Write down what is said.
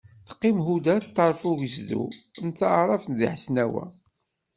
Teqqim Huda ṭṭerf n ugezdu n taɛrabt deg Ḥesnawa.